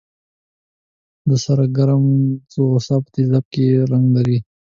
د سره کرم ځوښا په تیزاب کې کوم رنګ لري؟